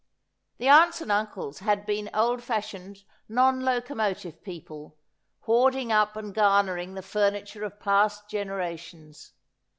The aunts and uncles had been old fashioned non locomo tive people, hoarding up and garnering the furniture of past generations.